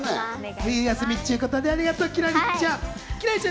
冬休みっちゅことで、ありがとう、輝星ちゃん。